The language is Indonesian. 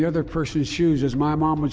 seperti yang ibu saya katakan